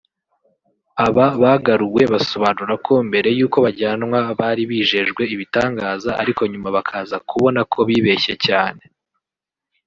Aba bagaruwe basobanura ko mbere y’uko bajyanwa bari bijejwe ibitangaza ariko nyuma bakaza kubona ko bibeshye cyane